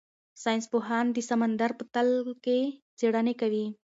ساینس پوهان د سمندر په تل کې څېړنې کوي.